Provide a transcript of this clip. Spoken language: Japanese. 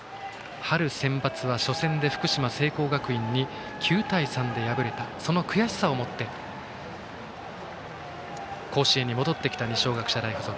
春センバツは初戦で福島・聖光学院に９対３で敗れたその悔しさをもって甲子園に戻ってきた二松学舎大付属。